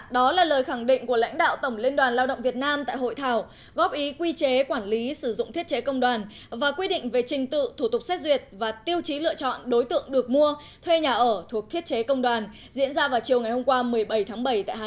đó là lời khẳng định của lãnh đạo tổng liên đoàn lao động việt nam tại hội thảo góp ý quy chế quản lý sử dụng thiết chế công đoàn và quy định về trình tự thủ tục xét duyệt và tiêu chí lựa chọn đối tượng được mua thuê nhà ở thuộc thiết chế công đoàn diễn ra vào chiều ngày hôm qua một mươi bảy tháng bảy tại hà nội